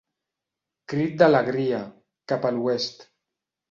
Crit d'alegria, cap a l'oest.